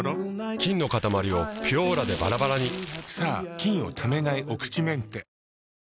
菌のかたまりを「ピュオーラ」でバラバラにさぁ菌をためないお口メンテ。